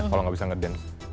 kalau nggak bisa ngedance